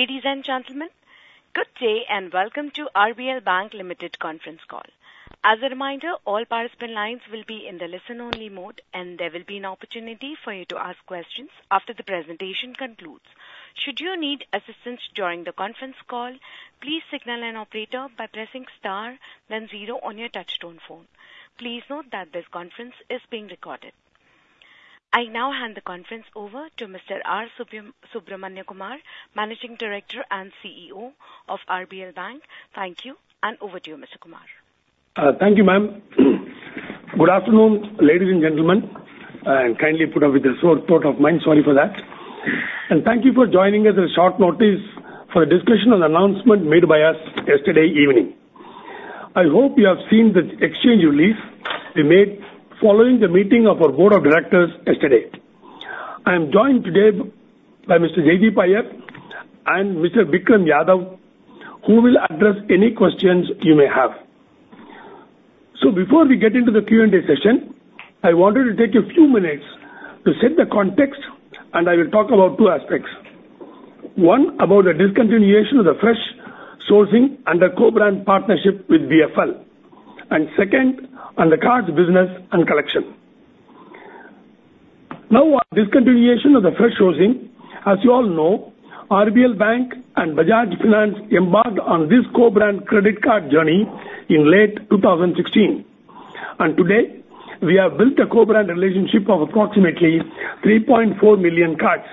Ladies and gentlemen, good day and welcome to RBL Bank Limited Conference Call. As a reminder, all participant lines will be in the listen-only mode, and there will be an opportunity for you to ask questions after the presentation concludes. Should you need assistance during the conference call, please signal an operator by pressing star, then zero on your touch-tone phone. Please note that this conference is being recorded. I now hand the conference over to Mr. R Subramaniakumar, Managing Director and CEO of RBL Bank. Thank you, and over to you, Mr. Subramaniakumar. Thank you, ma'am. Good afternoon, ladies and gentlemen. I'm kindly put up with this short thought of mine. Sorry for that. And thank you for joining us at short notice for the discussion and announcement made by us yesterday evening. I hope you have seen the exchange release we made following the meeting of our Board of Directors yesterday. I am joined today by Mr. Jaideep Iyer and Mr. Bikram Yadav, who will address any questions you may have. So before we get into the Q&A session, I wanted to take a few minutes to set the context, and I will talk about two aspects. One, about the discontinuation of the fresh sourcing under co-brand partnership with BFL, and second, on the card's business and collection. Now, on discontinuation of the fresh sourcing, as you all know, RBL Bank and Bajaj Finance embarked on this co-brand credit card journey in late 2016. And today, we have built a co-brand relationship of approximately 3.4 million cards.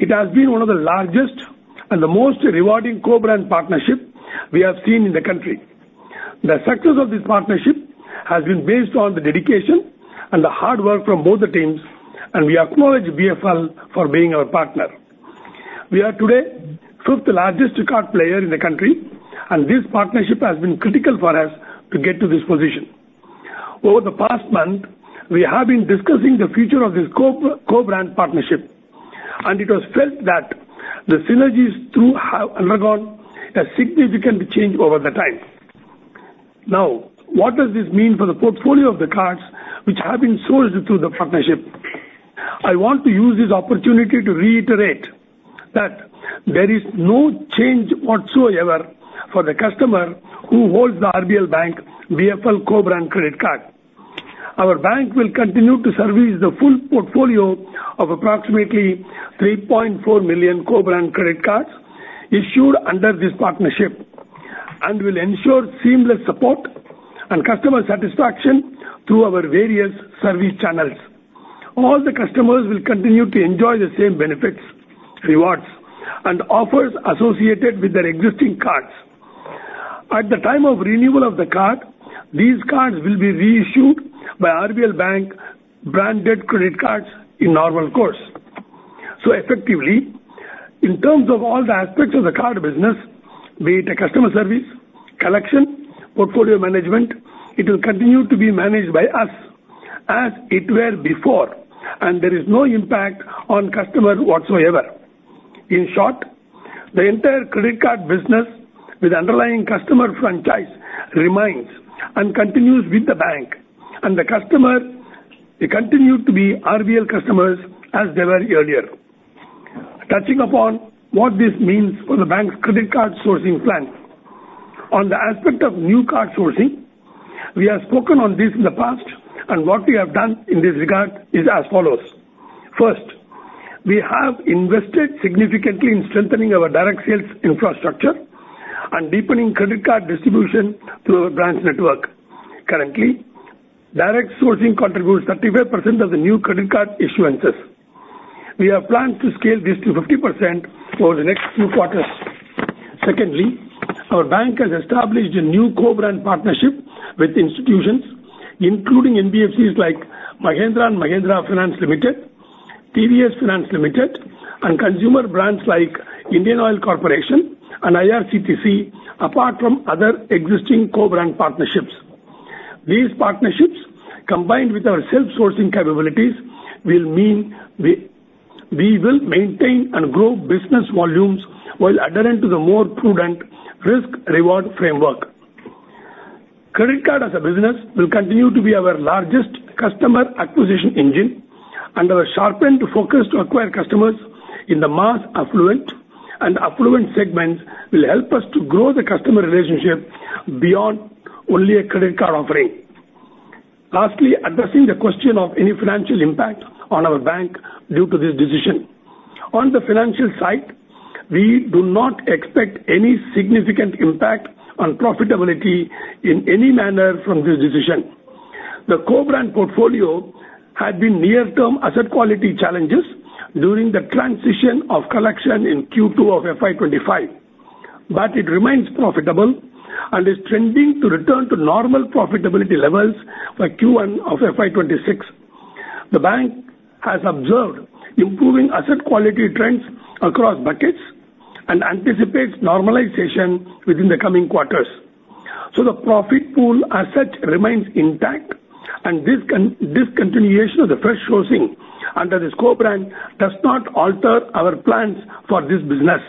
It has been one of the largest and the most rewarding co-brand partnerships we have seen in the country. The success of this partnership has been based on the dedication and the hard work from both the teams, and we acknowledge BFL for being our partner. We are today the fifth largest card player in the country, and this partnership has been critical for us to get to this position. Over the past month, we have been discussing the future of this co-brand partnership, and it was felt that the synergies too have undergone a significant change over time. Now, what does this mean for the portfolio of the cards which have been sourced through the partnership? I want to use this opportunity to reiterate that there is no change whatsoever for the customer who holds the RBL Bank BFL co-brand credit card. Our bank will continue to service the full portfolio of approximately 3.4 million co-brand credit cards issued under this partnership and will ensure seamless support and customer satisfaction through our various service channels. All the customers will continue to enjoy the same benefits, rewards, and offers associated with their existing cards. At the time of renewal of the card, these cards will be reissued by RBL Bank branded credit cards in normal course. So effectively, in terms of all the aspects of the card business, be it customer service, collection, portfolio management, it will continue to be managed by us as it were before, and there is no impact on customer whatsoever. In short, the entire credit card business with underlying customer franchise remains and continues with the bank, and the customer will continue to be RBL customers as they were earlier. Touching upon what this means for the bank's credit card sourcing plan, on the aspect of new card sourcing, we have spoken on this in the past, and what we have done in this regard is as follows. First, we have invested significantly in strengthening our direct sales infrastructure and deepening credit card distribution through our branch network. Currently, direct sourcing contributes 35% of the new credit card issuances. We have planned to scale this to 50% over the next few quarters. Secondly, our bank has established a new co-brand partnership with institutions, including NBFCs like Mahindra & Mahindra Finance Limited, TVS Credit Services Limited, and consumer brands like Indian Oil Corporation Limited and IRCTC, apart from other existing co-brand partnerships. These partnerships, combined with our self-sourcing capabilities, will mean we will maintain and grow business volumes while adhering to the more prudent risk-reward framework. Credit card as a business will continue to be our largest customer acquisition engine, and our sharpened focus to acquire customers in the mass affluent and affluent segments will help us to grow the customer relationship beyond only a credit card offering. Lastly, addressing the question of any financial impact on our bank due to this decision, on the financial side, we do not expect any significant impact on profitability in any manner from this decision. The co-brand portfolio had been near-term asset quality challenges during the transition of collection in Q2 of FY25, but it remains profitable and is trending to return to normal profitability levels by Q1 of FY26. The bank has observed improving asset quality trends across buckets and anticipates normalization within the coming quarters, so the profit pool as such remains intact, and this discontinuation of the fresh sourcing under this co-brand does not alter our plans for this business.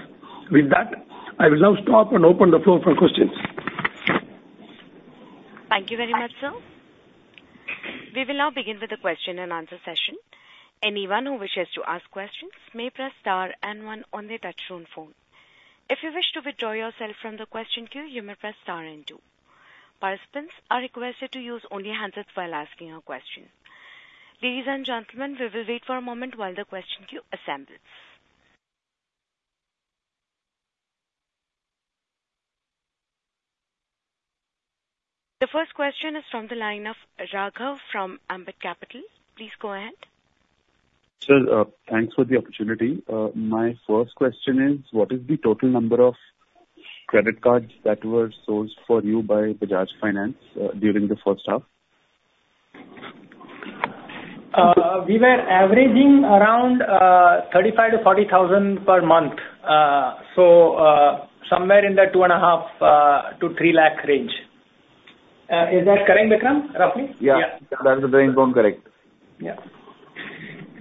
With that, I will now stop and open the floor for questions. Thank you very much, sir. We will now begin with the question and answer session. Anyone who wishes to ask questions may press star and one on the touchscreen phone. If you wish to withdraw yourself from the question queue, you may press star and two. Participants are requested to use only handsets while asking a question. Ladies and gentlemen, we will wait for a moment while the question queue assembles. The first question is from the line of Raghav from Ambit Capital. Please go ahead. Sir, thanks for the opportunity. My first question is, what is the total number of credit cards that were sourced for you by Bajaj Finance during the first half? We were averaging around ₹35-40 thousand per month, so somewhere in the ₹2.5-3 lakh range. Is that correct, Bikram? Roughly? Yeah. That's the brain bone, correct.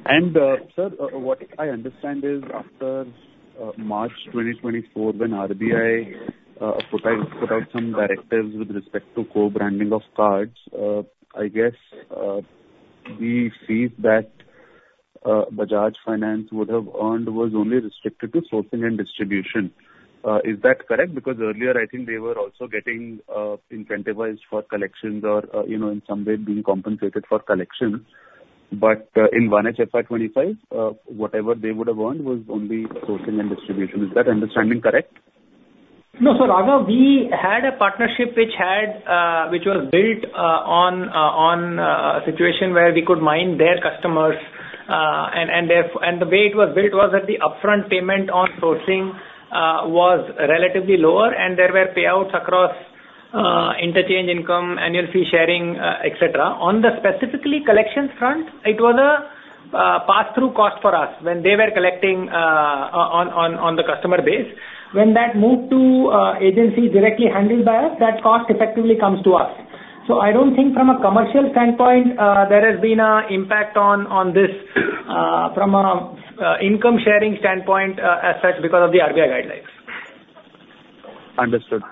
Yeah. Sir, what I understand is after March 2024, when RBI put out some directives with respect to co-branding of cards, I guess the fees that Bajaj Finance would have earned were only restricted to sourcing and distribution. Is that correct? Because earlier, I think they were also getting incentivized for collections or in some way being compensated for collections. But in 1HFY25, whatever they would have earned was only sourcing and distribution. Is that understanding correct? No, sir. Raghav, we had a partnership which was built on a situation where we could mine their customers, and the way it was built was that the upfront payment on sourcing was relatively lower, and there were payouts across interchange income, annual fee sharing, etc. On the specific collections front, it was a pass-through cost for us when they were collecting on the customer base. When that moved to agencies directly handled by us, that cost effectively comes to us, so I don't think from a commercial standpoint, there has been an impact on this from an income sharing standpoint as such because of the RBI guidelines. Understood.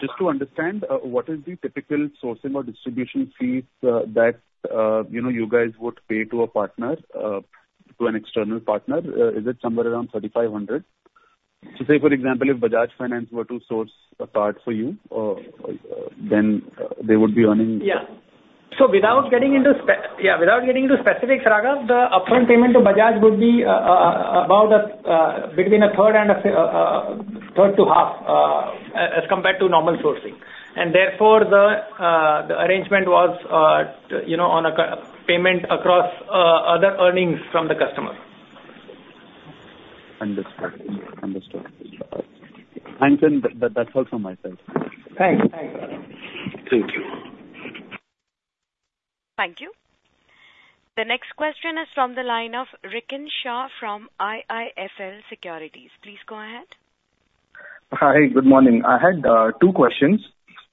Just to understand, what is the typical sourcing or distribution fee that you guys would pay to an external partner? Is it somewhere around 3,500? So say, for example, if Bajaj Finance were to source a card for you, then they would be earning. Yeah. So without getting into specifics, Raghav, the upfront payment to Bajaj would be between a third and half as compared to normal sourcing. And therefore, the arrangement was on a payment across other earnings from the customer. Understood. Understood. Thanks, and that's all from my side. Thanks. Thanks, Raghav. Thank you. Thank you. The next question is from the line of Rikin Shah from IIFL Securities. Please go ahead. Hi, good morning. I had two questions.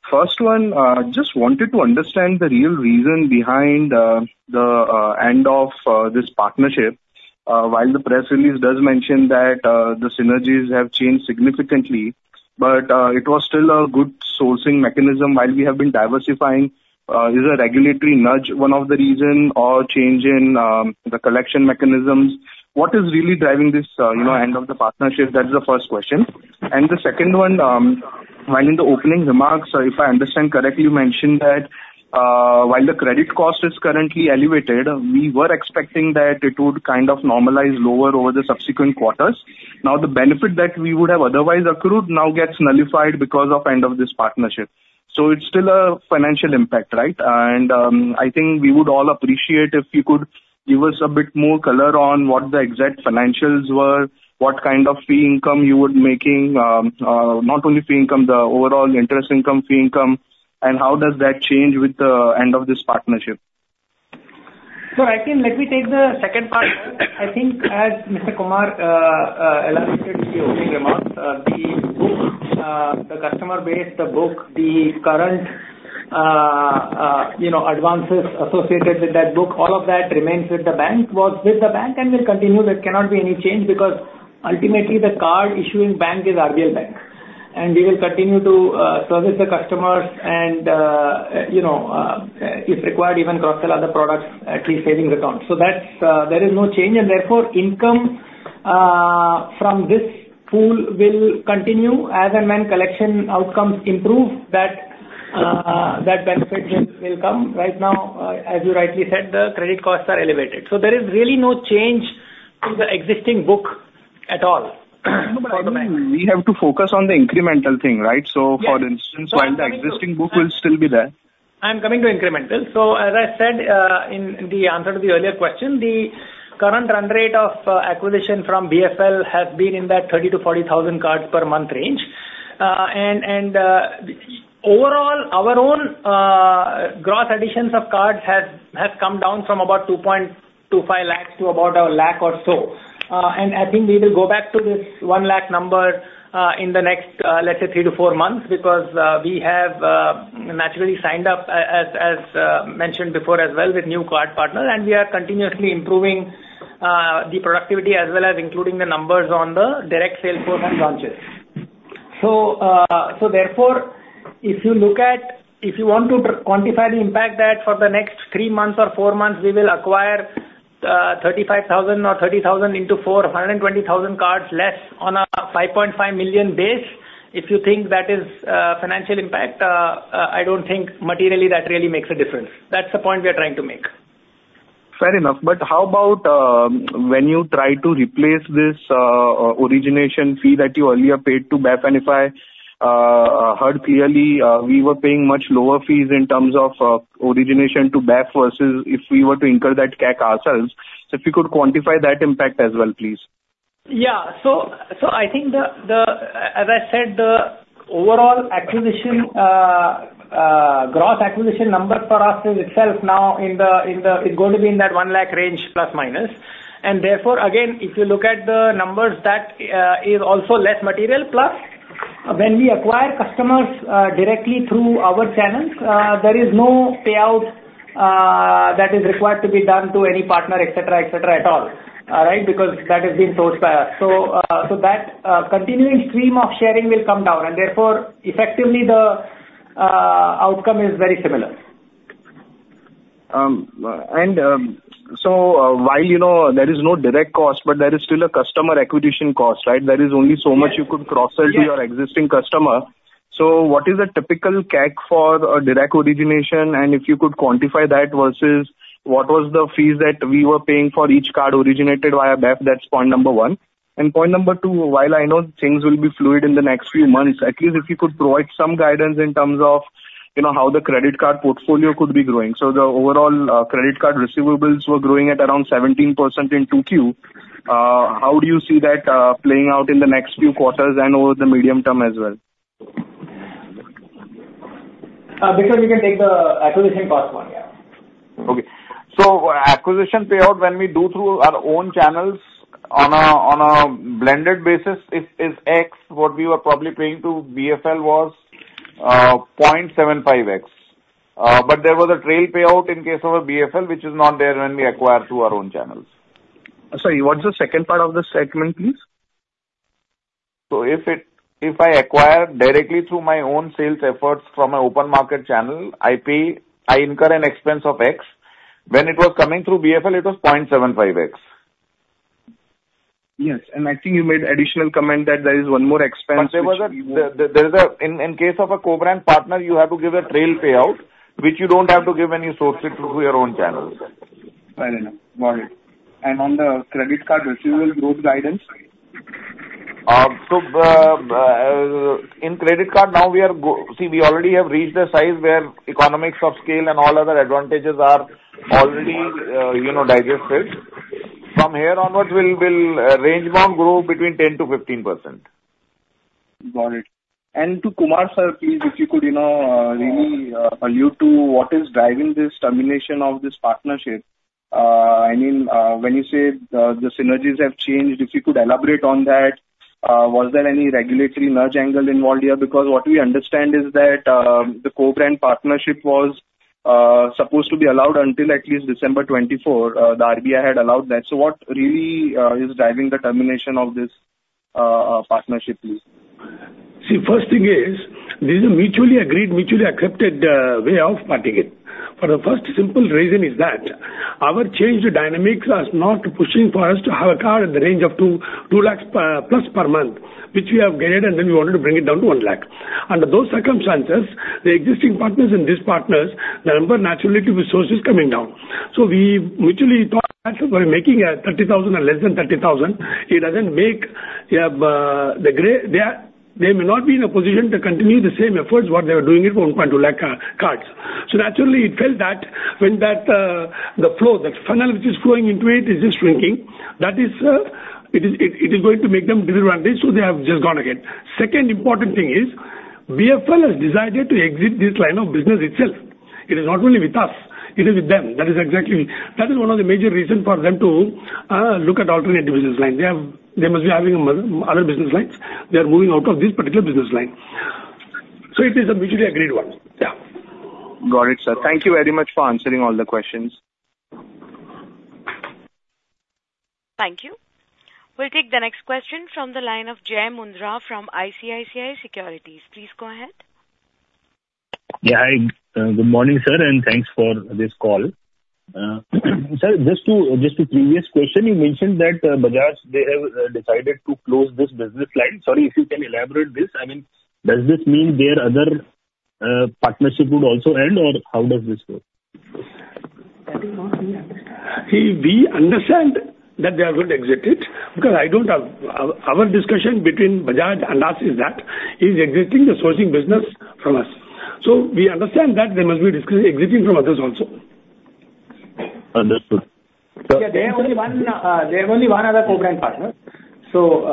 First one, I just wanted to understand the real reason behind the end of this partnership. While the press release does mention that the synergies have changed significantly, but it was still a good sourcing mechanism while we have been diversifying. Is a regulatory nudge one of the reasons or change in the collection mechanisms? What is really driving this end of the partnership? That's the first question. And the second one, while in the opening remarks, if I understand correctly, you mentioned that while the credit cost is currently elevated, we were expecting that it would kind of normalize lower over the subsequent quarters. Now, the benefit that we would have otherwise accrued now gets nullified because of the end of this partnership. So it's still a financial impact, right? I think we would all appreciate if you could give us a bit more color on what the exact financials were, what kind of fee income you were making, not only fee income, the overall interest income fee income, and how does that change with the end of this partnership? Sir, I think let me take the second part. I think as Mr. Subramaniakumar elaborated in the opening remarks, the customer base, the book, the current advances associated with that book, all of that remains with the bank, was with the bank, and will continue. There cannot be any change because ultimately the card issuing bank is RBL Bank, and we will continue to service the customers and, if required, even cross-sell other products, at least savings accounts, so there is no change, and therefore, income from this pool will continue as and when collection outcomes improve, that benefit will come. Right now, as you rightly said, the credit costs are elevated, so there is really no change to the existing book at all for the bank. We have to focus on the incremental thing, right? So for instance, while the existing book will still be there. I'm coming to incremental, so as I said in the answer to the earlier question, the current run rate of acquisition from BFL has been in that 30 to 40 thousand cards per month range. And overall, our own gross additions of cards have come down from about 2.25 lakhs to about a lakh or so. And I think we will go back to this one lakh number in the next, let's say, three to four months because we have naturally signed up, as mentioned before as well, with new card partners, and we are continuously improving the productivity as well as including the numbers on the direct sales force and launches. So therefore, if you want to quantify the impact that for the next three months or four months, we will acquire 35,000 or 30,000 into 420,000 cards less on a 5.5 million base, if you think that is financial impact, I don't think materially that really makes a difference. That's the point we are trying to make. Fair enough. But how about when you try to replace this origination fee that you earlier paid to BFL? And if I heard clearly, we were paying much lower fees in terms of origination to BFL versus if we were to incur that CAC ourselves. So if you could quantify that impact as well, please. Yeah, so I think, as I said, the overall acquisition gross acquisition number for us is itself now in the, it's going to be in that one lakh range plus minus, and therefore, again, if you look at the numbers, that is also less material. Plus, when we acquire customers directly through our channels, there is no payout that is required to be done to any partner, etc., etc. at all, right? Because that has been sourced by us, so that continuing stream of sharing will come down, and therefore, effectively, the outcome is very similar. And so while there is no direct cost, but there is still a customer acquisition cost, right? There is only so much you could cross-sell to your existing customer. So what is the typical CAC for a direct origination? And if you could quantify that versus what was the fees that we were paying for each card originated via BFL, that's point number one. And point number two, while I know things will be fluid in the next few months, at least if you could provide some guidance in terms of how the credit card portfolio could be growing. So the overall credit card receivables were growing at around 17% in Q2. How do you see that playing out in the next few quarters and over the medium term as well? Because we can take the acquisition cost one, yeah. Okay, so acquisition payout when we do through our own channels on a blended basis, if it's X, what we were probably paying to BFL was 0.75X, but there was a trail payout in case of a BFL, which is not there when we acquire through our own channels. Sorry, what's the second part of the statement, please? So if I acquire directly through my own sales efforts from an open market channel, I incur an expense of X. When it was coming through BFL, it was 0.75X. Yes, and I think you made additional comment that there is one more expense. But there was, in case of a co-brand partner, you have to give a trail payout, which you don't have to give when you source it through your own channels. Fair enough. Got it. And on the credit card receivable growth guidance? In credit card now, we have seen, we already have reached a size where economies of scale and all other advantages are already digested. From here onwards, we'll range-bound grow between 10% to 15%. Got it. And to Subramaniakumar sir, please, if you could really allude to what is driving this termination of this partnership. I mean, when you say the synergies have changed, if you could elaborate on that, was there any regulatory nudge angle involved here? Because what we understand is that the co-brand partnership was supposed to be allowed until at least December 24. The RBI had allowed that. So what really is driving the termination of this partnership, please? See, first thing is, this is a mutually agreed, mutually accepted way of parting it. For the first simple reason is that our change to dynamics was not pushing for us to have a card in the range of two lakhs plus per month, which we have gained, and then we wanted to bring it down to one lakh. Under those circumstances, the existing partners and these partners, the number naturally to be sources coming down. So we mutually thought that we're making 30,000 or less than 30,000. It doesn't make the they may not be in a position to continue the same efforts while they were doing it for 1.2 lakh cards. So naturally, it felt that when the flow, the funnel which is flowing into it is just shrinking, that is, it is going to make them deliver on this. So they have just gone ahead. Second important thing is, BFL has decided to exit this line of business itself. It is not only with us. It is with them. That is exactly that is one of the major reasons for them to look at alternative business lines. They must be having other business lines. They are moving out of this particular business line. So it is a mutually agreed one. Yeah. Got it, sir. Thank you very much for answering all the questions. Thank you. We'll take the next question from the line of Jai Mundra from ICICI Securities. Please go ahead. Yeah. Good morning, sir, and thanks for this call. Sir, just to previous question, you mentioned that Bajaj, they have decided to close this business line. Sorry, if you can elaborate this. I mean, does this mean their other partnership would also end, or how does this work? We understand that they have not exited because in our discussion between Bajaj and us is that he's exiting the sourcing business from us. So we understand that they must be exiting from others also. Understood. Yeah. They have only one other co-brand partner. So.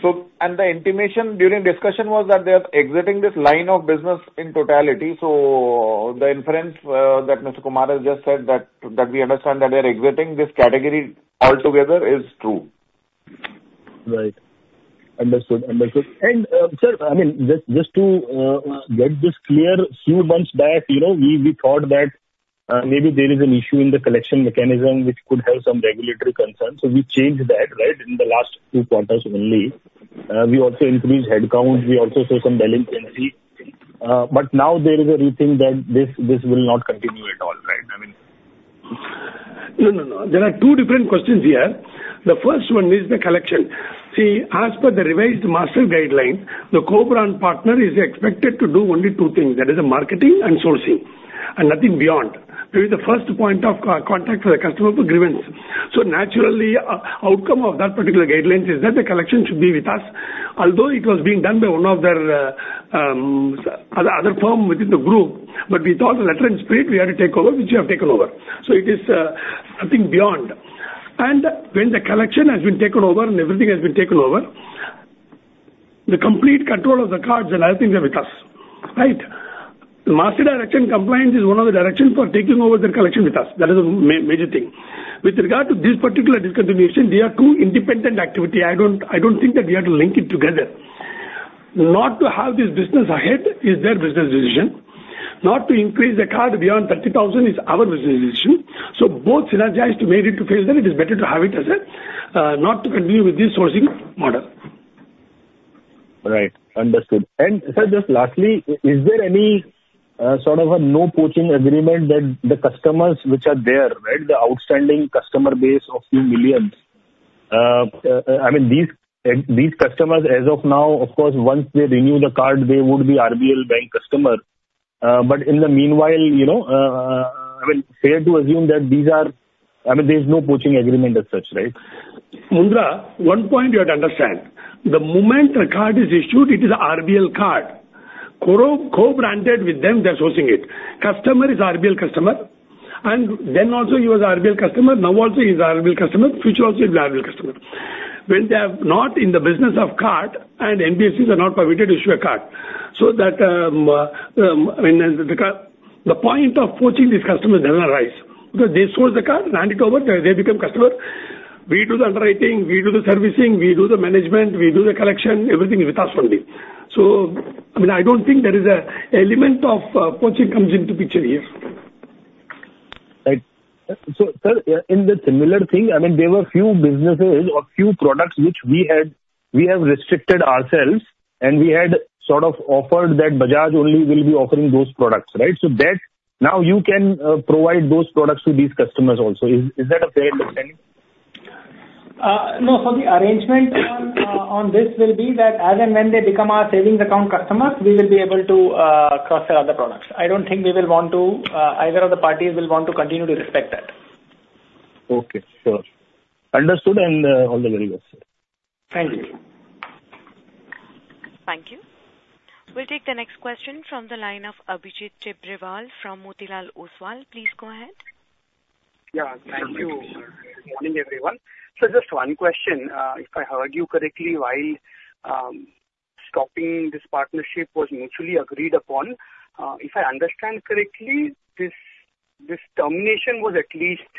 The intimation during discussion was that they are exiting this line of business in totality. The inference that Mr. Subramaniakumar has just said that we understand that they are exiting this category altogether is true. Right. Understood. Understood. And sir, I mean, just to get this clear, a few months back, we thought that maybe there is an issue in the collection mechanism which could have some regulatory concerns. So we changed that, right, in the last two quarters only. We also increased headcount. We also saw some delinquency. But now there is a rethink that this will not continue at all, right? I mean. No, no, no. There are two different questions here. The first one is the collection. See, as per the revised Master Direction, the co-brand partner is expected to do only two things. That is marketing and sourcing and nothing beyond. The first point of contact for the customer for grievance. So naturally, outcome of that particular guideline is that the collection should be with us, although it was being done by one of their other firm within the group. But we thought, letter and spirit, we had to take over, which we have taken over. So it is nothing beyond. And when the collection has been taken over and everything has been taken over, the complete control of the cards and other things are with us, right? The Master Direction compliance is one of the directions for taking over the collection with us. That is a major thing. With regard to this particular discontinuation, they are two independent activities. I don't think that we have to link it together. Not to have this business ahead is their business decision. Not to increase the card beyond 30,000 is our business decision. So both synergized to make it to failure, it is better to have it as a not to continue with this sourcing model. Right. Understood. And sir, just lastly, is there any sort of a no-poaching agreement that the customers which are there, right, the outstanding customer base of a few millions? I mean, these customers as of now, of course, once they renew the card, they would be RBL Bank customer. But in the meanwhile, I mean, fair to assume that these are I mean, there's no poaching agreement as such, right? Mundra, one point you have to understand. The moment the card is issued, it is an RBL card. Co-branded with them, they're sourcing it. Customer is RBL customer, and then also he was an RBL customer. Now also he's an RBL customer. Future also he'll be an RBL customer. When they are not in the business of card and NBFCs are not permitted to issue a card. So that the point of poaching these customers does not arise. Because they source the card, hand it over, they become customer. We do the underwriting. We do the servicing. We do the management. We do the collection. Everything is with us only. So I mean, I don't think there is an element of poaching comes into the picture here. Right. So sir, in the similar thing, I mean, there were a few businesses or a few products which we have restricted ourselves, and we had sort of offered that Bajaj only will be offering those products, right? So that now you can provide those products to these customers also. Is that a fair understanding? No. So the arrangement on this will be that as and when they become our savings account customers, we will be able to cross-sell other products. I don't think either of the parties will want to continue to respect that. Okay. Sure. Understood and all the very best, sir. Thank you. Thank you. We'll take the next question from the line of Abhijit Tibrewal from Motilal Oswal. Please go ahead. Yeah. Thank you. Good morning, everyone. So just one question. If I heard you correctly, while stopping this partnership was mutually agreed upon, if I understand correctly, this termination was at least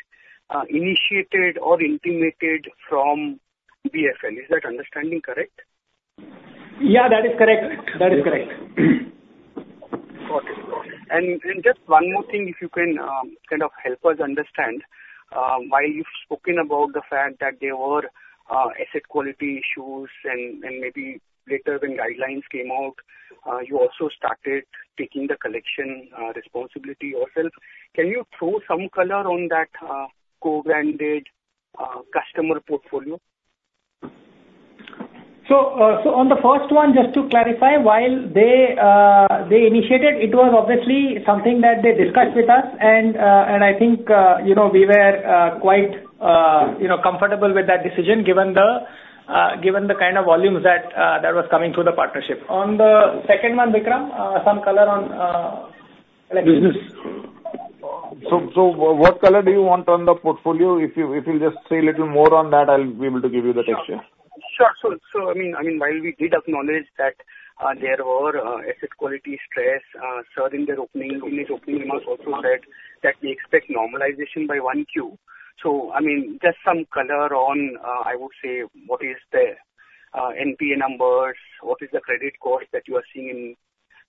initiated or intimated from BFL. Is that understanding correct? Yeah, that is correct. That is correct. Got it. And just one more thing, if you can kind of help us understand. While you've spoken about the fact that there were asset quality issues and maybe later when guidelines came out, you also started taking the collection responsibility yourself. Can you throw some color on that co-branded customer portfolio? So on the first one, just to clarify, while they initiated, it was obviously something that they discussed with us. And I think we were quite comfortable with that decision given the kind of volumes that was coming through the partnership. On the second one, Bikram, some color on. Business. So what color do you want on the portfolio? If you'll just say a little more on that, I'll be able to give you the picture. Sure. So I mean, while we did acknowledge that there were asset quality stress, sir, in his opening remarks also said that we expect normalization by one Q. So I mean, just some color on, I would say, what is the NPA numbers, what is the credit cost that you are seeing in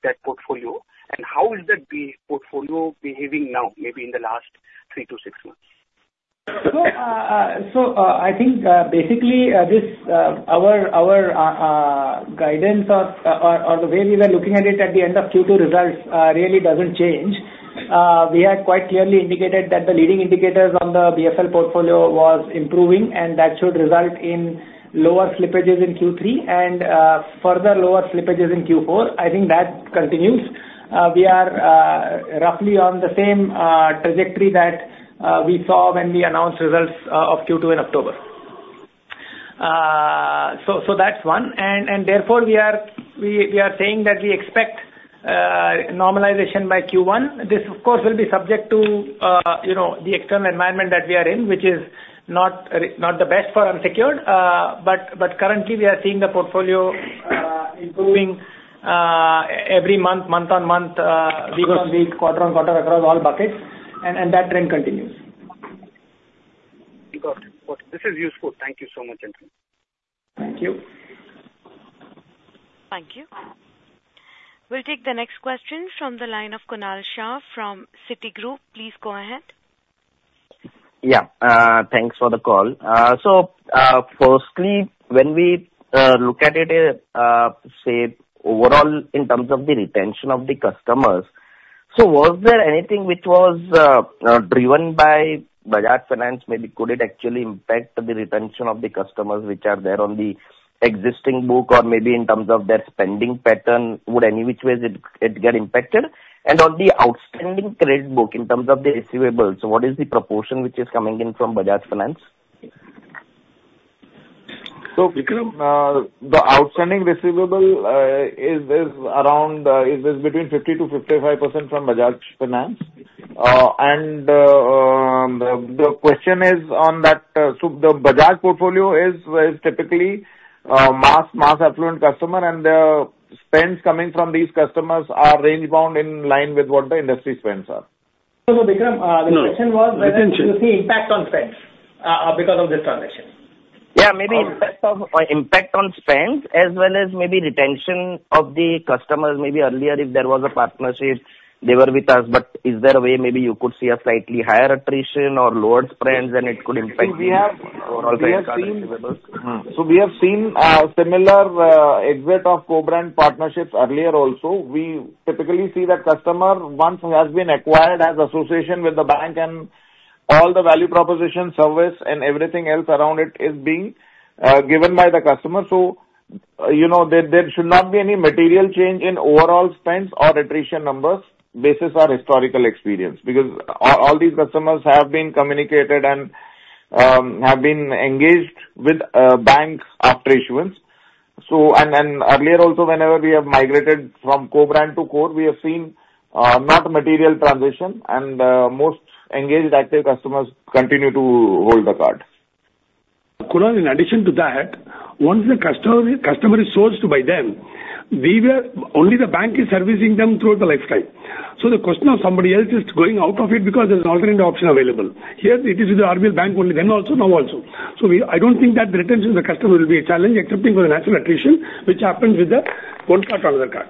that portfolio, and how is that portfolio behaving now, maybe in the last three to six months? So I think basically this our guidance or the way we were looking at it at the end of Q2 results really doesn't change. We had quite clearly indicated that the leading indicators on the BFL portfolio was improving, and that should result in lower slippages in Q3 and further lower slippages in Q4. I think that continues. We are roughly on the same trajectory that we saw when we announced results of Q2 in October. So that's one. And therefore, we are saying that we expect normalization by Q1. This, of course, will be subject to the external environment that we are in, which is not the best for unsecured. But currently, we are seeing the portfolio improving every month, month on month, week on week, quarter on quarter across all buckets. And that trend continues. Got it. Got it. This is useful. Thank you so much, Andrew. Thank you. Thank you. We'll take the next question from the line of Kunal Shah from Citigroup. Please go ahead. Yeah. Thanks for the call. So firstly, when we look at it, say, overall in terms of the retention of the customers, so was there anything which was driven by Bajaj Finance? Maybe could it actually impact the retention of the customers which are there on the existing book or maybe in terms of their spending pattern? Would any which ways it get impacted? And on the outstanding credit book in terms of the receivables, what is the proportion which is coming in from Bajaj Finance? So Bikram, the outstanding receivable is around between 50%-55% from Bajaj Finance. And the question is on that. So the Bajaj portfolio is typically mass affluent customer, and the spends coming from these customers are range bound in line with what the industry spends are. So Bikram, the question was. Retention. The impact on spends because of this transaction. Yeah. Maybe impact on spends as well as maybe retention of the customers. Maybe earlier, if there was a partnership, they were with us. But is there a way maybe you could see a slightly higher attrition or lower spends, and it could impact overall Bajaj receivables? We have seen similar exit of co-brand partnerships earlier also. We typically see that customer, once he has been acquired, has association with the bank and all the value proposition, service, and everything else around it is being given by the bank. There should not be any material change in overall spends or attrition numbers, basis our historical experience, because all these customers have been communicated and have been engaged with the bank after issuance. Earlier also, whenever we have migrated from co-brand to core, we have seen no material transition, and most engaged active customers continue to hold the card. Kunal, in addition to that, once the customer is sourced by them, only the bank is servicing them throughout the lifetime. The question of somebody else is going out of it because there's an alternative option available. Here it is with the RBL Bank only, then also, now also. So I don't think that the retention of the customer will be a challenge, excepting for the natural attrition, which happens with the one card to another card.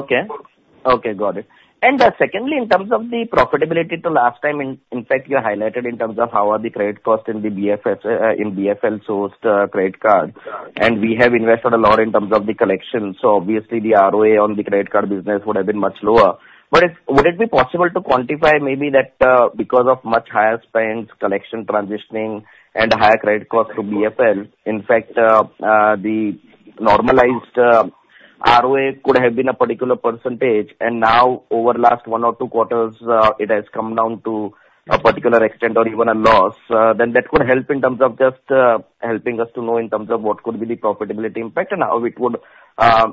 Okay. Okay. Got it. And secondly, in terms of the profitability to last time, in fact, you highlighted in terms of how are the credit costs in the BFL-sourced credit card. And we have invested a lot in terms of the collection. So obviously, the ROA on the credit card business would have been much lower. But would it be possible to quantify maybe that because of much higher spends, collection, transitioning, and higher credit costs to BFL, in fact, the normalized ROA could have been a particular percentage, and now over the last one or two quarters, it has come down to a particular extent or even a loss, then that could help in terms of just helping us to know in terms of what could be the profitability impact and how it would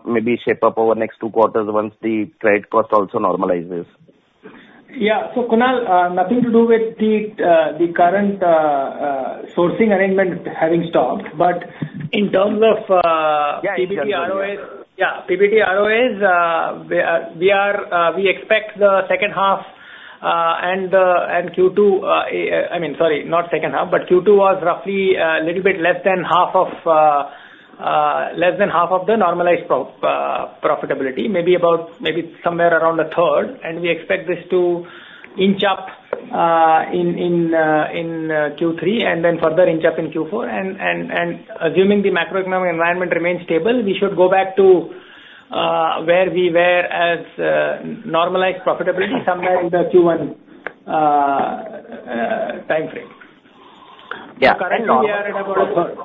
maybe shape up over the next two quarters once the credit cost also normalizes. Yeah. So Kunal, nothing to do with the current sourcing arrangement having stopped. But in terms of PBT ROAs, yeah, PBT ROAs, we expect the second half and Q2 I mean, sorry, not second half, but Q2 was roughly a little bit less than half of less than half of the normalized profitability, maybe about maybe somewhere around a third. And we expect this to inch up in Q3 and then further inch up in Q4. And assuming the macroeconomic environment remains stable, we should go back to where we were as normalized profitability somewhere in the Q1 time frame. So currently, we are at about a third.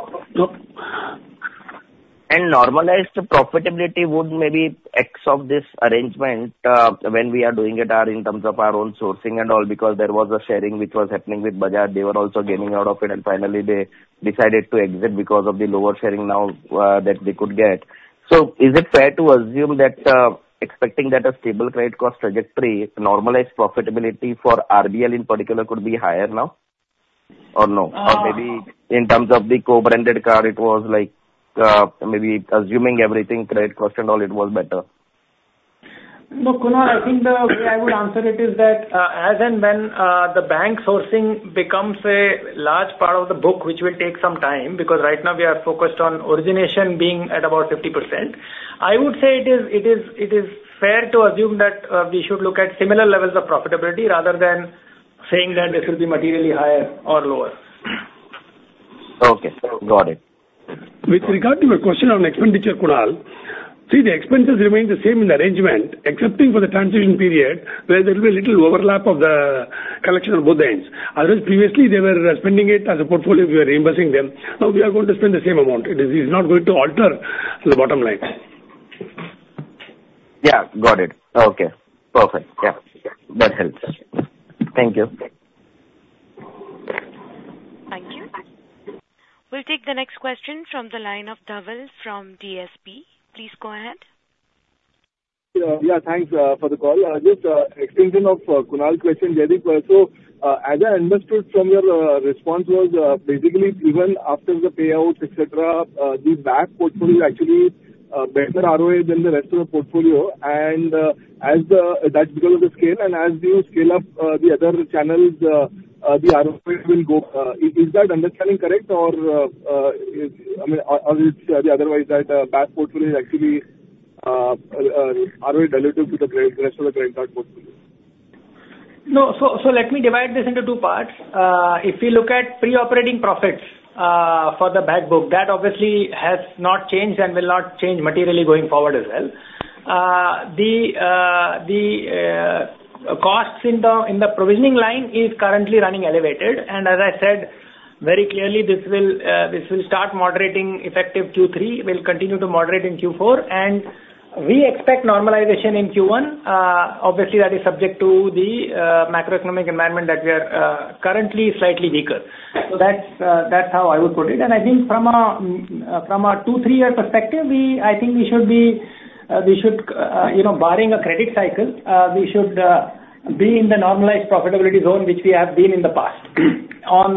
And normalized profitability would maybe X of this arrangement when we are doing it in terms of our own sourcing and all because there was a sharing which was happening with Bajaj. They were also gaining out of it, and finally, they decided to exit because of the lower sharing now that they could get. So is it fair to assume that expecting that a stable credit cost trajectory, normalized profitability for RBL in particular could be higher now or no? Or maybe in terms of the co-branded card, it was like maybe assuming everything credit cost and all, it was better? No, Kunal, I think the way I would answer it is that as and when the bank sourcing becomes a large part of the book, which will take some time because right now we are focused on origination being at about 50%. I would say it is fair to assume that we should look at similar levels of profitability rather than saying that it should be materially higher or lower. Okay. Got it. With regard to your question on expenditure, Kunal, see, the expenses remain the same in the arrangement, excepting for the transition period where there will be a little overlap of the collection on both ends. Otherwise, previously, they were spending it as a portfolio. We were reimbursing them. Now we are going to spend the same amount. It is not going to alter the bottom line. Yeah. Got it. Okay. Perfect. Yeah. That helps. Thank you. Thank you. We'll take the next question from the line of Dhaval from DSP. Please go ahead. Yeah. Thanks for the call. Just extension of Kunal's question, Jaideep. So as I understood from your response was basically even after the payout, etc., the back portfolio actually better ROA than the rest of the portfolio. And that's because of the scale. And as you scale up the other channels, the ROA will go. Is that understanding correct? Or is the other way that back portfolio is actually ROA relative to the rest of the credit card portfolio? No. So let me divide this into two parts. If we look at pre-operating profits for the back book, that obviously has not changed and will not change materially going forward as well. The costs in the provisioning line is currently running elevated. And as I said very clearly, this will start moderating effective Q3. We'll continue to moderate in Q4. And we expect normalization in Q1. Obviously, that is subject to the macroeconomic environment that we are currently slightly weaker. So that's how I would put it. And I think from a two to three-year perspective, I think we should be barring a credit cycle, we should be in the normalized profitability zone which we have been in the past. I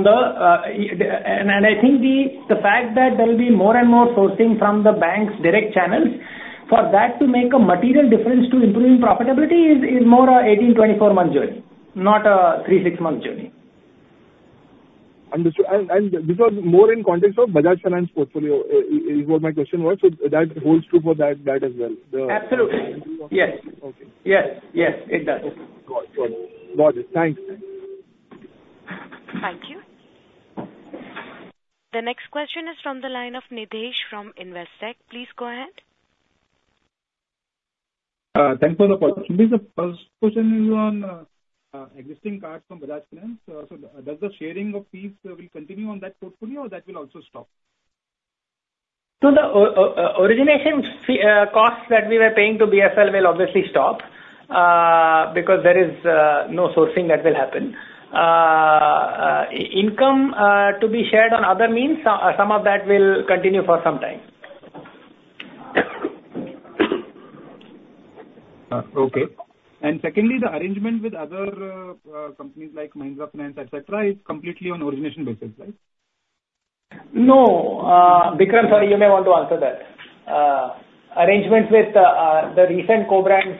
think the fact that there will be more and more sourcing from the bank's direct channels for that to make a material difference to improving profitability is more a 18 to 24-month journey, not a three to six-month journey. This was more in context of Bajaj Finance portfolio is what my question was. That holds true for that as well. Absolutely. Yes. Yes. Yes. It does. Got it. Got it. Thanks. Thank you. The next question is from the line of Nitesh from Investec. Please go ahead. Thanks for the question. The first question is on existing cards from Bajaj Finance. So does the sharing of fees will continue on that portfolio or that will also stop? So the origination costs that we were paying to BFL will obviously stop because there is no sourcing that will happen. Income to be shared on other means, some of that will continue for some time. Okay. And secondly, the arrangement with other companies like Mahindra & Mahindra Finance, etc., is completely on origination basis, right? No. Bikram, sorry, you may want to answer that. Arrangements with the recent co-brands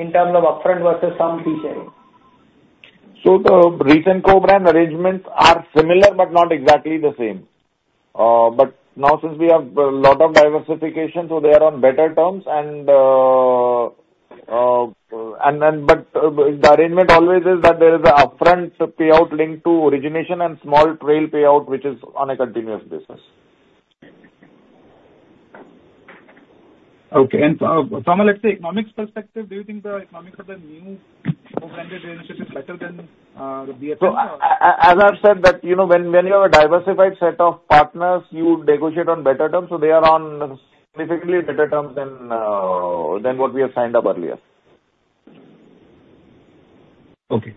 in terms of upfront versus some fee sharing. So the recent co-brand arrangements are similar but not exactly the same. But now, since we have a lot of diversification, so they are on better terms. But the arrangement always is that there is an upfront payout linked to origination and small trail payout, which is on a continuous basis. Okay. And from a, let's say, economics perspective, do you think the economics of the new co-branded initiative is better than the BFL? As I've said, that when you have a diversified set of partners, you negotiate on better terms. So they are on significantly better terms than what we have signed up earlier. Okay.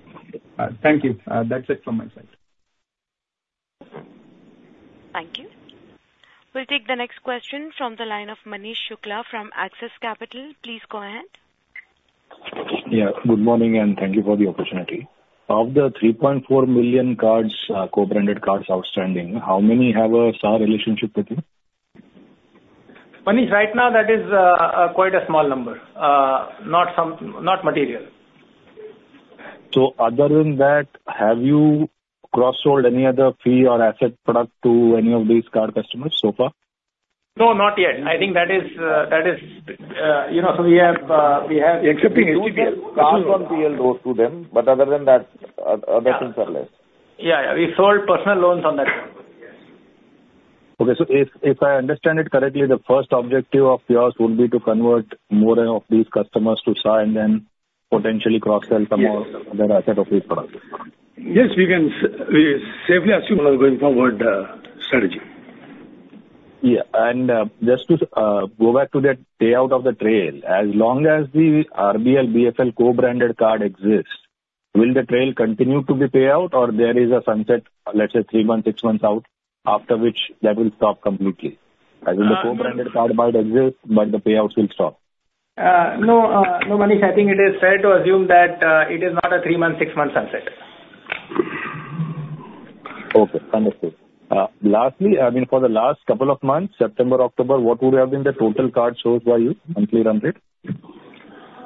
Thank you. That's it from my side. Thank you. We'll take the next question from the line of Manish Shukla from Axis Capital. Please go ahead. Yeah. Good morning and thank you for the opportunity. Of the 3.4 million cards, co-branded cards outstanding, how many have a SA relationship with you? Manish, right now, that is quite a small number, not material. So other than that, have you cross-sold any other fee or asset product to any of these card customers so far? No, not yet. I think that is so we have excepting HTBL. We have co-brand PL loans to them, but other than that, other things are less. Yeah. Yeah. We sold personal loans on that. Okay, so if I understand it correctly, the first objective of yours would be to convert more of these customers to SAR and then potentially cross-sell some more other asset or fee products? Yes. We can safely assume our going forward strategy. Yeah. And just to go back to that payout of the trail, as long as the RBL BFL co-branded card exists, will the trail continue to be payout or there is a sunset, let's say, three months, six months out, after which that will stop completely? As in the co-branded card might exist, but the payouts will stop? No. No, Manish. I think it is fair to assume that it is not a three-month, six-month sunset. Okay. Understood. Lastly, I mean, for the last couple of months, September, October, what would have been the total cards sourced by you, monthly run rate?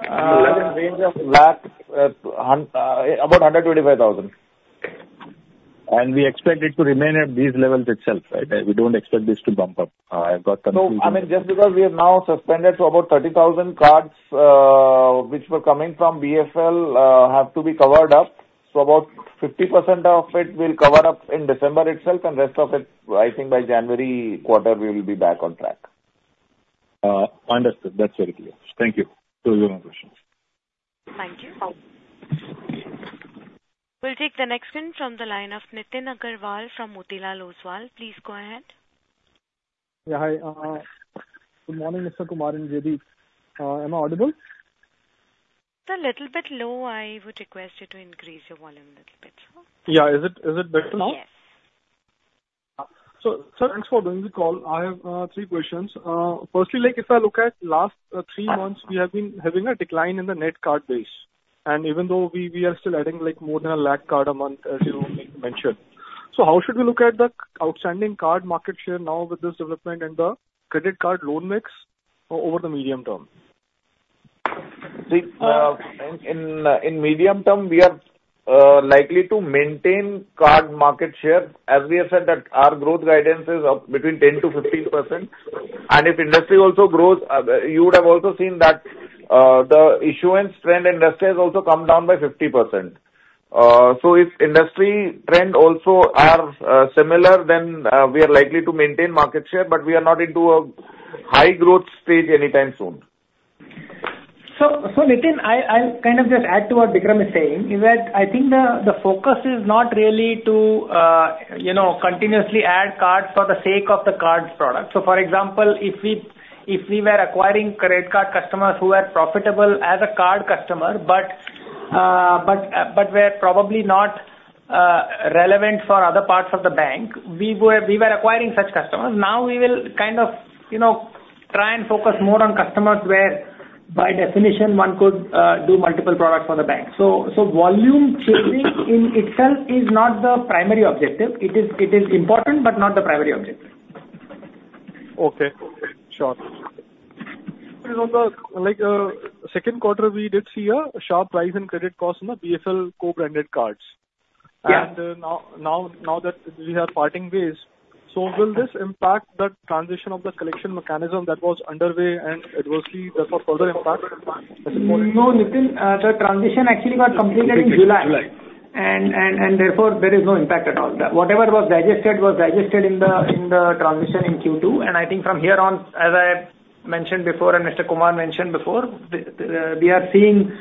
Again, range of about 125,000. We expect it to remain at these levels itself, right? We don't expect this to bump up. I've got confusion. No. I mean, just because we have now suspended to about 30,000 cards which were coming from BFL have to be covered up. So about 50% of it will cover up in December itself, and rest of it, I think by January quarter, we will be back on track. Understood. That's very clear. Thank you. Those are my questions. Thank you. We'll take the next one from the line of Nitin Aggarwal from Motilal Oswal. Please go ahead. Yeah. Hi. Good morning, Mr. Kumar and Jaideep. Am I audible? It's a little bit low. I would request you to increase your volume a little bit. Yeah. Is it better now? Yes. Thanks for doing the call. I have three questions. Firstly, if I look at last three months, we have been having a decline in the net card base. And even though we are still adding more than a lakh card a month, as you mentioned. How should we look at the outstanding card market share now with this development and the credit card loan mix over the medium term? See, in medium term, we are likely to maintain card market share. As we have said, our growth guidance is between 10%-15%. And if industry also grows, you would have also seen that the issuance trend in industry has also come down by 50%. So if industry trend also are similar, then we are likely to maintain market share, but we are not into a high growth stage anytime soon. So, Nitin, I'll kind of just add to what Bikram is saying is that I think the focus is not really to continuously add cards for the sake of the cards product. So, for example, if we were acquiring credit card customers who were profitable as a card customer but were probably not relevant for other parts of the bank, we were acquiring such customers. Now we will kind of try and focus more on customers where by definition, one could do multiple products for the bank. So volume shaping in itself is not the primary objective. It is important but not the primary objective. Okay. Sure. So in the Q2, we did see a sharp rise in credit costs in the BFL co-branded cards. And now that we have parting ways, so will this impact the transition of the selection mechanism that was underway and adversely therefore further impact? No, Nitin, the transition actually got completed in July, and therefore, there is no impact at all. Whatever was digested was digested in the transition in Q2, and I think from here on, as I mentioned before and Mr. Kumar mentioned before, we are seeing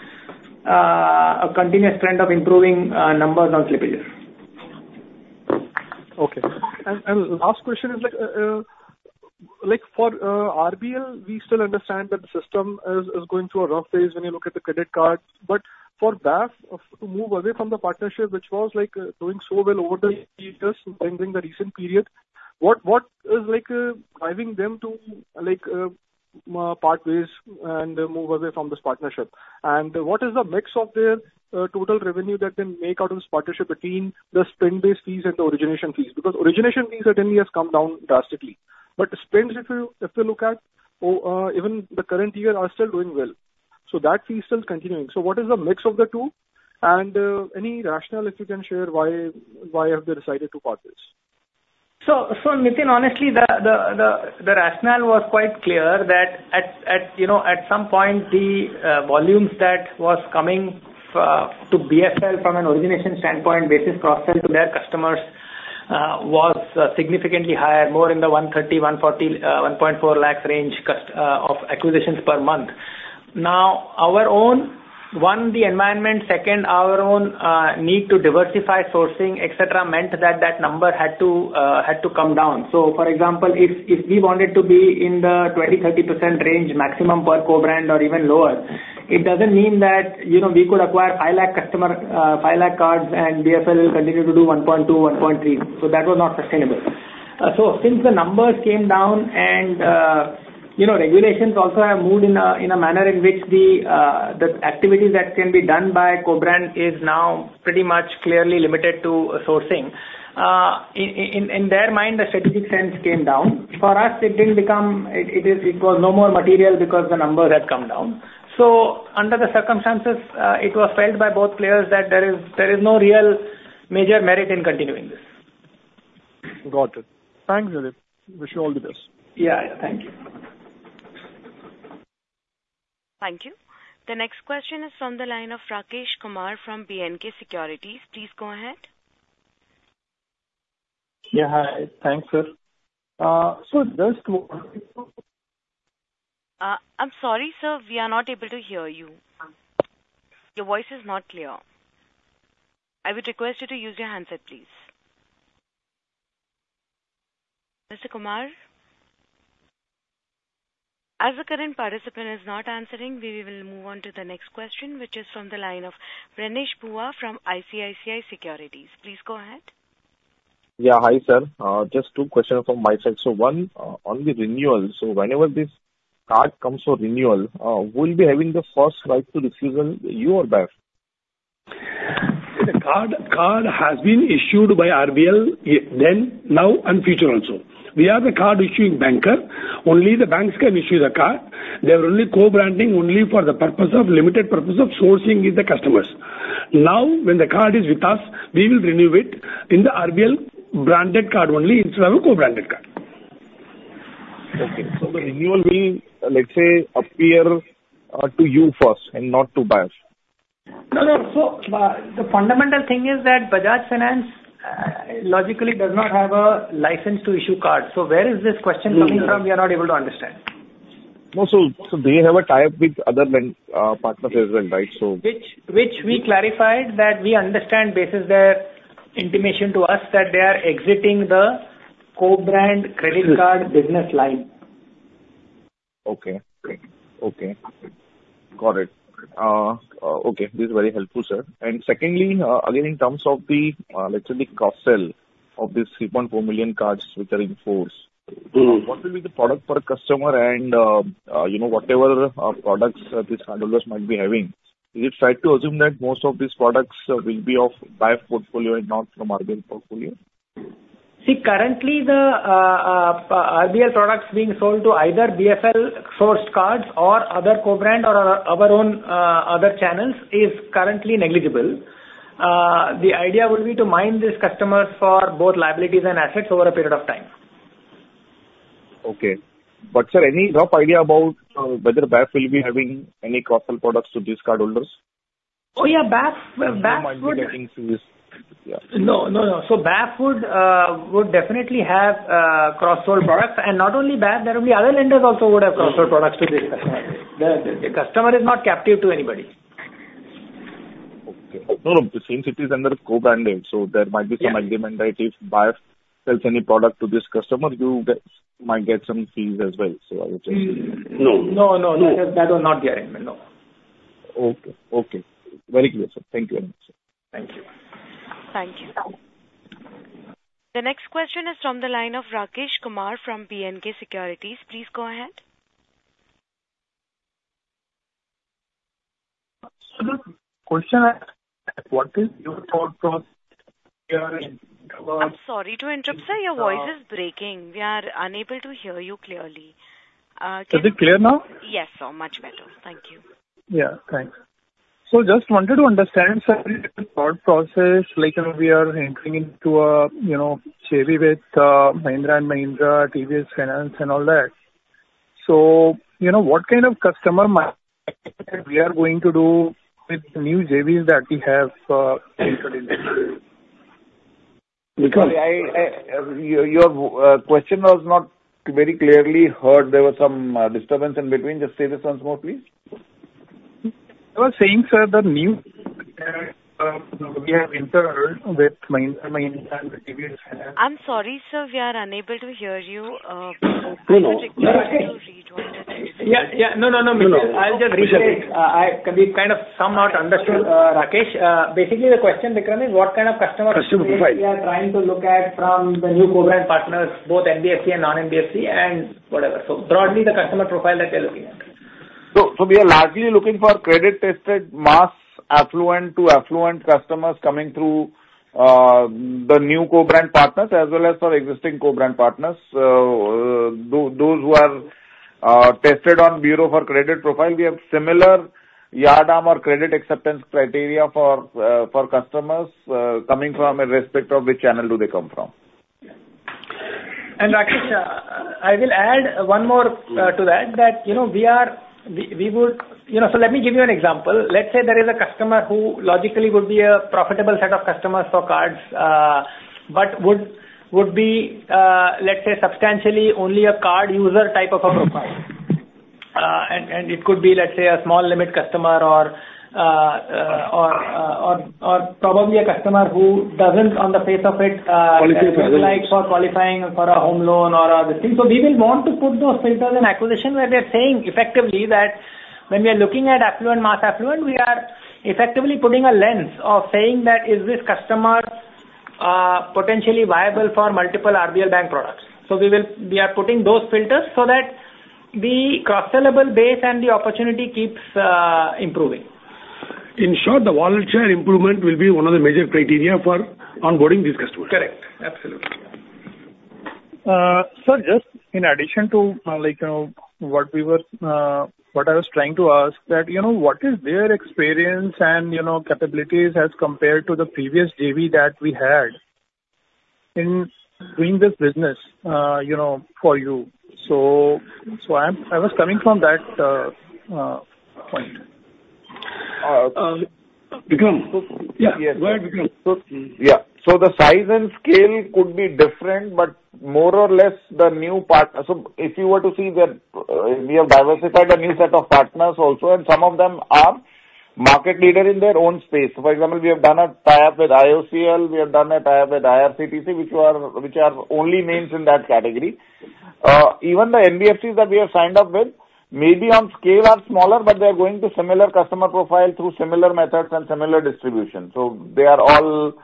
a continuous trend of improving numbers on slippage. Okay. Last question is for RBL. We still understand that the system is going through a rough phase when you look at the credit card. But for BAF to move away from the partnership, which was doing so well over the years, especially during the recent period, what is driving them to part ways and move away from this partnership? And what is the mix of their total revenue that they make out of this partnership between the spend-based fees and the origination fees? Because origination fees certainly have come down drastically. But spends, if you look at even the current year, are still doing well. So that fee is still continuing. So what is the mix of the two? And any rationale if you can share why have they decided to part ways? So Nitin, honestly, the rationale was quite clear that at some point, the volumes that was coming to BFL from an origination standpoint, basis cross-sell to their customers, was significantly higher, more in the 130, 140, 1.4 lakh range of acquisitions per month. Now, our own, one, the environment, second, our own need to diversify sourcing, etc., meant that that number had to come down. So for example, if we wanted to be in the 20%-30% range maximum per co-brand or even lower, it doesn't mean that we could acquire 5 lakh customers, 5 lakh cards, and BFL will continue to do 1.2, 1.3. So that was not sustainable. So, since the numbers came down and regulations also have moved in a manner in which the activities that can be done by co-brand is now pretty much clearly limited to sourcing, in their mind, the strategic sense came down. For us, it didn't become. It was no more material because the numbers had come down. So, under the circumstances, it was felt by both players that there is no real major merit in continuing this. Got it. Thanks, Jaideep. Wish you all the best. Yeah. Thank you. Thank you. The next question is from the line of Rakesh Kumar from B&K Securities. Please go ahead. Yeah. Hi. Thanks, sir. So just. I'm sorry, sir. We are not able to hear you. Your voice is not clear. I would request you to use your handset, please. Mr. Kumar? As the current participant is not answering, we will move on to the next question, which is from the line of Renish Bhuva from ICICI Securities. Please go ahead. Yeah. Hi, sir. Just two questions from myself. So one, on the renewal, so whenever this card comes for renewal, will we be having the first right to refusal, you or BAF? The card has been issued by RBL then, now, and future also. We are the card-issuing banker. Only the banks can issue the card. They are only co-branding for the limited purpose of sourcing with the customers. Now, when the card is with us, we will renew it in the RBL branded card only instead of a co-branded card. Okay. So the renewal will, let's say, appear to you first and not to BAF? No. No. So the fundamental thing is that Bajaj Finance logically does not have a license to issue cards. So where is this question coming from? We are not able to understand. No. So they have a tie-up with other bank partners as well, right? So. Which we clarified that we understand basis their intimation to us that they are exiting the co-brand credit card business line. Okay. Okay. Got it. Okay. This is very helpful, sir. And secondly, again, in terms of the, let's say, the cross-sell of these 3.4 million cards which are in force, what will be the product per customer and whatever products these cardholders might be having? Is it fair to assume that most of these products will be of BAF portfolio and not from RBL portfolio? See, currently, the RBL products being sold to either BFL-sourced cards or other co-brand or our own other channels is currently negligible. The idea would be to mine these customers for both liabilities and assets over a period of time. Okay. But, sir, any rough idea about whether BAF will be having any cross-sell products to these cardholders? Oh, yeah. BAF would. No mind-blowing things to this. No. No. No. So BAF would definitely have cross-sold products. And not only BAF, there will be other lenders also who would have cross-sold products to these customers. The customer is not captive to anybody. Okay. No, no. Since it is under co-branding, so there might be some agreement that if BAF sells any product to this customer, you might get some fees as well. So I would just. No. No. No. That was not the agreement. No. Okay. Okay. Very clear, sir. Thank you very much, sir. Thank you. Thank you. The next question is from the line of Rakesh Kumar from B&K Securities. Please go ahead. Sir, the question is, what is your thought process herein? I'm sorry to interrupt, sir. Your voice is breaking. We are unable to hear you clearly. Is it clear now? Yes, sir. Much better. Thank you. Yeah. Thanks. So just wanted to understand, sir, the thought process. We are entering into a JV with Mahindra & Mahindra, TVS Finance, and all that. So what kind of customer might we are going to do with the new JVs that we have entered into? Sorry. Your question was not very clearly heard. There was some disturbance in between. Just say this once more, please. I was saying, sir, the new we have entered with Mahindra and TVS Finance. I'm sorry, sir. We are unable to hear you. No, no. I'll just rejoin. Yeah. Yeah. No, no, no. I'll just rejoin. We kind of somewhat understood, Rakesh. Basically, the question, Vikram, is what kind of customer profile? Customer profile. We are trying to look at from the new co-brand partners, both NBFC and non-NBFC, and whatever. So broadly, the customer profile that we are looking at. We are largely looking for credit-tested, mass affluent to affluent customers coming through the new co-brand partners as well as for existing co-brand partners. Those who are tested on bureau for credit profile, we have similar yardstick or credit acceptance criteria for customers coming from, irrespective of which channel they come from. Rakesh, I will add one more to that, that we would so let me give you an example. Let's say there is a customer who logically would be a profitable set of customers for cards but would be, let's say, substantially only a card user type of a profile. And it could be, let's say, a small limit customer or probably a customer who doesn't, on the face of it, have the likes for qualifying for a home loan or other things. So we will want to put those filters in acquisition where we are saying effectively that when we are looking at affluent, mass affluent, we are effectively putting a lens of saying that is this customer potentially viable for multiple RBL Bank products. So we are putting those filters so that the cross-sellable base and the opportunity keeps improving. In short, the volumetric improvement will be one of the major criteria for onboarding these customers. Correct. Absolutely. Sir, just in addition to what I was trying to ask, that what is their experience and capabilities as compared to the previous JV that we had in doing this business for you? So I was coming from that point. Bikram? Yeah. Go ahead, Bikram. Yeah. So the size and scale could be different, but more or less, the new part so if you were to see that we have diversified a new set of partners also, and some of them are market leader in their own space. For example, we have done a tie-up with IOCL. We have done a tie-up with IRCTC, which are only names in that category. Even the NBFCs that we have signed up with, maybe on scale are smaller, but they are going to similar customer profile through similar methods and similar distribution. So they are all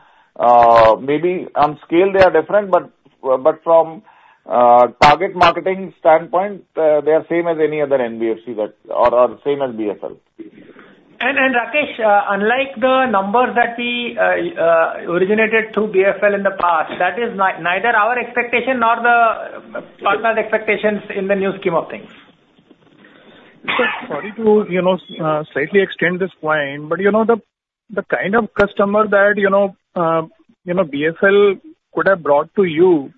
maybe on scale, they are different, but from target marketing standpoint, they are same as any other NBFC or same as BFL. Rakesh, unlike the numbers that we originated through BFL in the past, that is neither our expectation nor the partner's expectations in the new scheme of things. Sorry to slightly extend this point, but the kind of customer that BFL could have brought to you,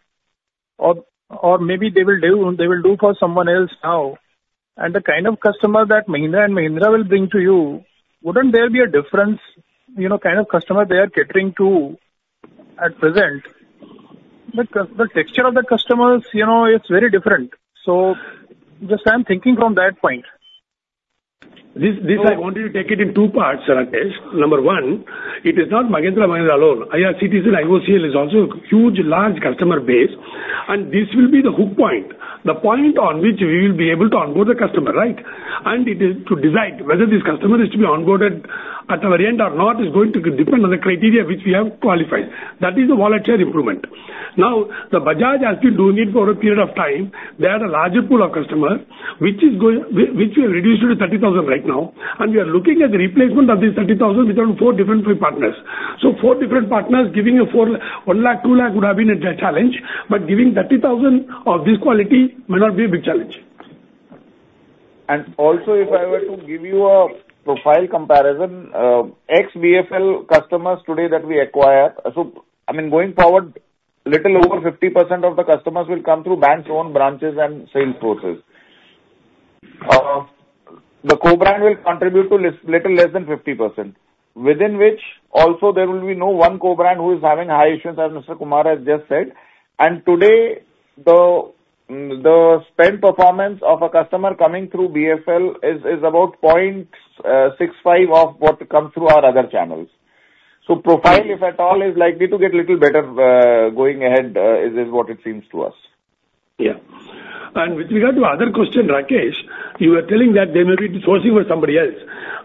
or maybe they will do for someone else now, and the kind of customer that Mahindra and Mahindra will bring to you, wouldn't there be a difference kind of customer they are catering to at present? The texture of the customers, it's very different. So just I'm thinking from that point. This I wanted to take it in two parts, Rakesh. Number one, it is not Mahindra & Mahindra alone. IRCTC and IOCL is also a huge, large customer base, and this will be the hook point, the point on which we will be able to onboard the customer, right? And it is to decide whether this customer is to be onboarded at the very end or not is going to depend on the criteria which we have qualified. That is the value addition. Now, the Bajaj has been doing it for a period of time. They had a larger pool of customers, which we have reduced to 30,000 right now, and we are looking at the replacement of these 30,000 with around four different partners. So four different partners giving a 1 lakh, 2 lakh would have been a challenge, but giving 30,000 of this quality may not be a big challenge. And also, if I were to give you a profile comparison, ex-BFL customers today that we acquire, so I mean, going forward, little over 50% of the customers will come through banks' own branches and sales forces. The co-brand will contribute to little less than 50%, within which also there will be no one co-brand who is having high issuance, as Mr. Kumar has just said. Today, the spend performance of a customer coming through BFL is about 0.65 of what comes through our other channels. Profile, if at all, is likely to get a little better going ahead is what it seems to us. Yeah. With regard to other question, Rakesh, you were telling that they may be sourcing for somebody else.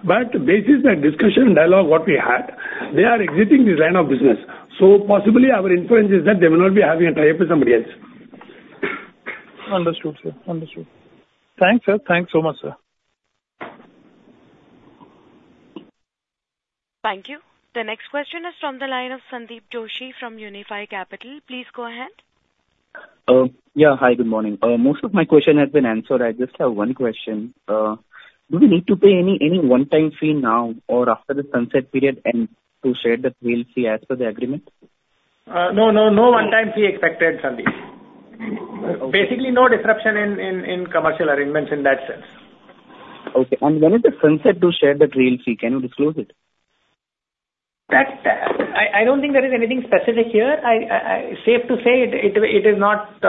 Basis that discussion and dialogue what we had, they are exiting this line of business. Possibly our inference is that they may not be having a tie-up with somebody else. Understood, sir. Understood. Thanks, sir. Thanks so much, sir. Thank you. The next question is from the line of Sandeep Joshi from Unifi Capital. Please go ahead. Yeah. Hi. Good morning. Most of my questions have been answered. I just have one question. Do we need to pay any one-time fee now or after the sunset period to share the real fee as per the agreement? No. No. No one-time fee expected, Sandeep. Basically, no disruption in commercial arrangements in that sense. Okay. And when it is set to share the trail fee, can you disclose it? I don't think there is anything specific here. Safe to say it is not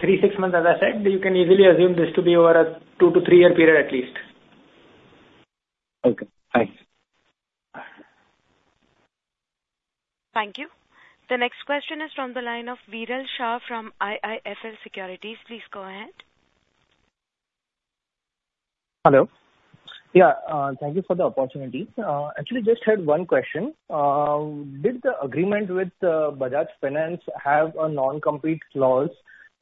three, six months, as I said. You can easily assume this to be over a two to three-year period at least. Okay. Thanks. Thank you. The next question is from the line of Viral Shah from IIFL Securities. Please go ahead. Hello. Yeah. Thank you for the opportunity. Actually, just had one question. Did the agreement with Bajaj Finance have a non-compete clause?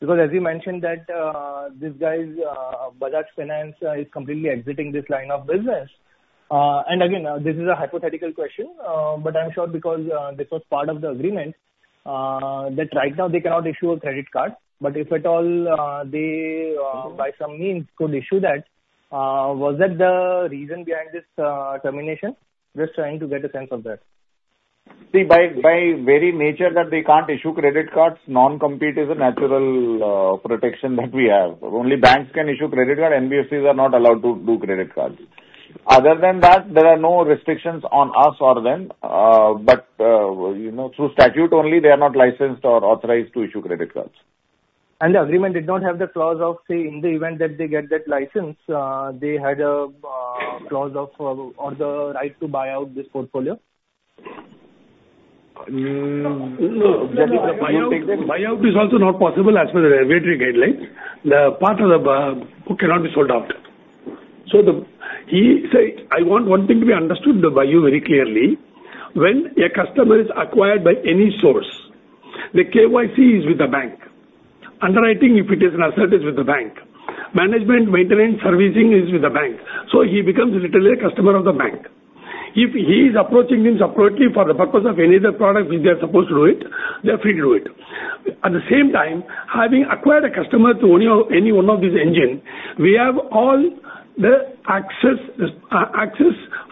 Because as you mentioned that this guy's Bajaj Finance is completely exiting this line of business. And again, this is a hypothetical question, but I'm sure because this was part of the agreement that right now they cannot issue a credit card, but if at all, they by some means could issue that, was that the reason behind this termination? Just trying to get a sense of that. See, by very nature, that they can't issue credit cards. Non-compete is a natural protection that we have. Only banks can issue credit cards. NBFCs are not allowed to do credit cards. Other than that, there are no restrictions on us or them. But through statute only, they are not licensed or authorized to issue credit cards. The agreement did not have the clause of, say, in the event that they get that license, they had a clause of the right to buy out this portfolio? No. Buyout is also not possible as per the regulatory guidelines. The part of the book cannot be sold out. So I want one thing to be understood by you very clearly. When a customer is acquired by any source, the KYC is with the bank. Underwriting, if it is an asset, is with the bank. Management, maintenance, servicing is with the bank. So he becomes literally a customer of the bank. If he is approaching them appropriately for the purpose of any other product which they are supposed to do it, they are free to do it. At the same time, having acquired a customer through any one of these engines, we have all the access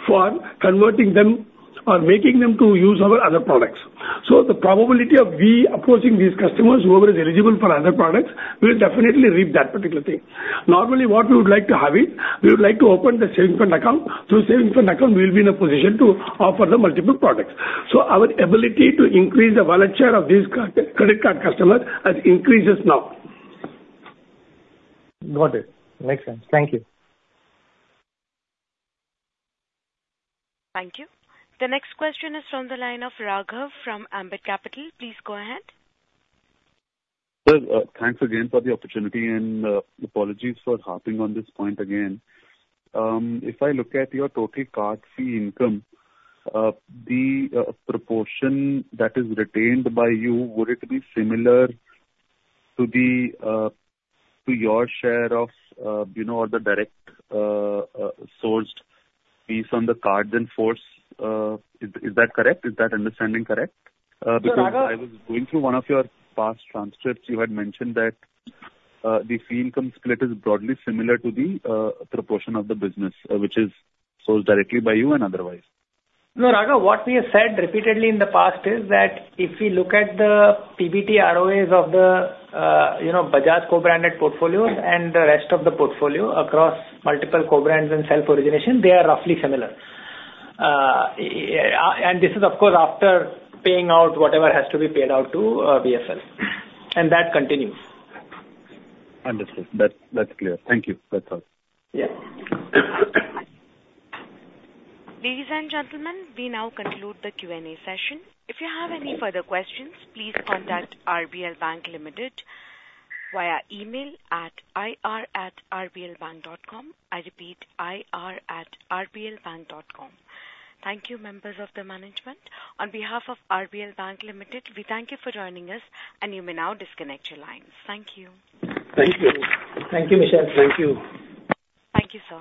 for converting them or making them to use our other products. So the probability of we approaching these customers whoever is eligible for other products will definitely reap that particular thing. Normally, what we would like to have is we would like to open the savings account. Through savings account, we will be in a position to offer the multiple products. So our ability to increase the wallet of these credit card customers has increased now. Got it. Makes sense. Thank you. Thank you. The next question is from the line of Raghav from Ambit Capital. Please go ahead. Thanks again for the opportunity and apologies for harping on this point again. If I look at your total card fee income, the proportion that is retained by you, would it be similar to your share of the direct sourced fees on the card than for co-brand? Is that correct? Is that understanding correct? Because I was going through one of your past transcripts, you had mentioned that the fee income split is broadly similar to the proportion of the business which is sourced directly by you and otherwise. No, Raghav, what we have said repeatedly in the past is that if we look at the PBT ROAs of the Bajaj co-branded portfolio and the rest of the portfolio across multiple co-brands and self-origination, they are roughly similar. And this is, of course, after paying out whatever has to be paid out to BFL. And that continues. Understood. That's clear. Thank you. That's all. Yeah. Ladies and gentlemen, we now conclude the Q&A session. If you have any further questions, please contact RBL Bank Limited via email at ir@rblbank.com. I repeat, ir@rblbank.com. Thank you, members of the management. On behalf of RBL Bank Limited, we thank you for joining us, and you may now disconnect your lines. Thank you. Thank you. Thank you, Michelle. Thank you. Thank you, sir.